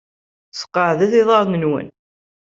Sqeɛdet iḍarren-nwen.